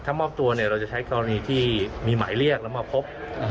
ถ้ามอบตัวเราจะใช้กรณีที่มีหมายเรียกแล้วมาพบ